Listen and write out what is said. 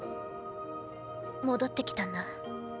戻ってきたんだ。